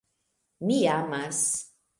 Mi amas.